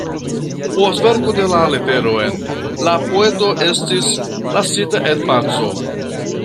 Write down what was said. Post verko de la leteron, la poeto estis lasita en paco.